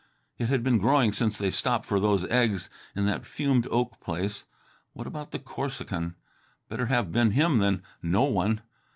It had been growing since they stopped for those eggs, in that fumed oak place. What about the Corsican? Better have been him than no one!